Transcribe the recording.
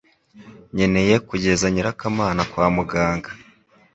Nkeneye kugeza nyirakamana kwa muganga